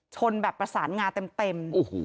ชนแบบประสานงาเต็ม